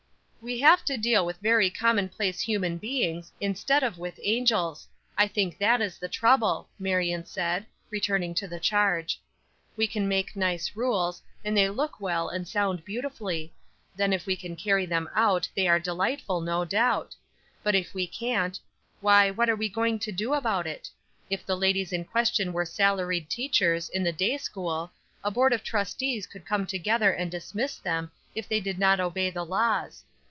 "We have to deal with very common place human beings, instead of with angels. I think that is the trouble," Marion said, returning to the charge. "We can make nice rules, and they look well and sound beautifully; then if we can carry them out they are delightful, no doubt. But if we can't, why, what are we going to do about it? If the ladies in question were salaried teachers in the day school, a board of trustees could come together and dismiss them if they did not obey the laws.